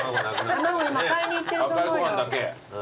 卵今買いに行ってると思うよ。